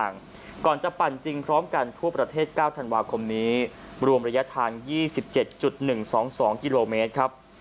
ในครั้งนี้รวมระยะทาง๒๗๑๒๒กิโลเมตรครับ